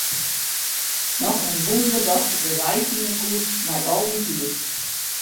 Noch in wûnder datst de wei fine koest nei al dy tiid.